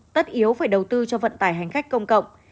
tất yếu phải đầu tư cho vận tải hành khách công cộng